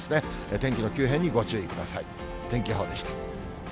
天気の急変にご注意ください。